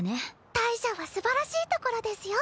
大赦はすばらしいところですよ。